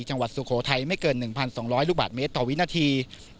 สุโขทัยไม่เกิน๑๒๐๐ลูกบาทเมตรต่อวินาที